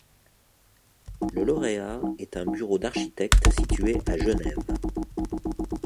Le lauréat est un bureau d'architectes situé à Genève.